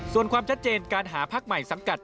ส่วนความชัดเจนการหาพักใหม่สังกัด